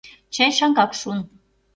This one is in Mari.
Чай шаҥгак шуын.